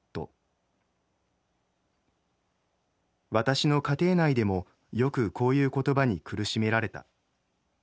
私の家庭内でもよくこういう言葉に苦しめられた。